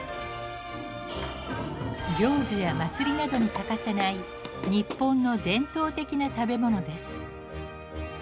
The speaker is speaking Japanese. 行事や祭りなどに欠かせない日本の伝統的な食べ物です。